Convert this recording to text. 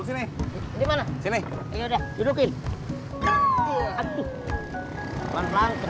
ini dimana sini udah dudukin